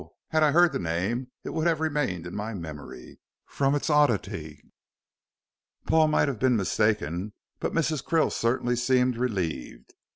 Had I heard the name it would have remained in my memory, from its oddity." Paul might have been mistaken, but Mrs. Krill certainly seemed relieved.